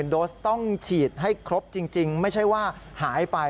โดสต้องฉีดให้ครบจริงไม่ใช่ว่าหายไป